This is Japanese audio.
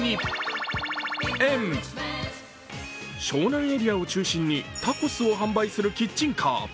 湘南エリアを中心にタコスを販売するキッチンカー。